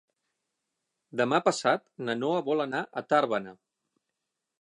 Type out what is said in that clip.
Demà passat na Noa vol anar a Tàrbena.